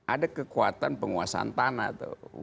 ada kekuatan penguasaan tanah tuh